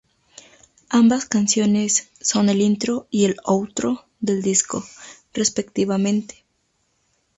Ambas canciones son el intro y el outro del disco, respectivamente.